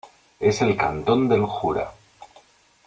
Es el Cantón del Jura.